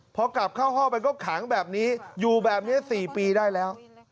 พอกลับเข้าห้องไปก็ขังแบบนี้อยู่แบบนี้๔ปีได้แล้ว